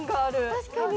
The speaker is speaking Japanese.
確かに！